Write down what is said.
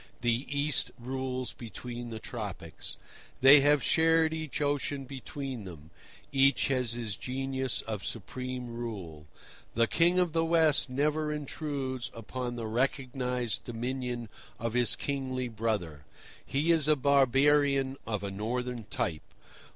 The East rules between the Tropics. They have shared each ocean between them. Each has his genius of supreme rule. The King of the West never intrudes upon the recognised dominion of his kingly brother. He is a barbarian, of a northern type.